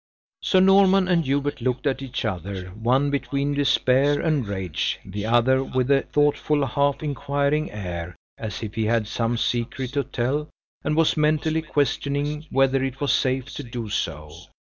Sir Norman and Hubert looked at each other, one between despair and rage, the other with a thoughtful, half inquiring air, as if he had some secret to tell, and was mentally questioning whether it was safe to do so.